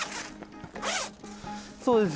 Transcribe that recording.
そうです。